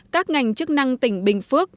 các ngành chức năng tỉnh bình phước